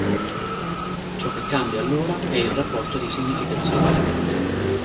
Ciò che cambia allora è il rapporto di significazione.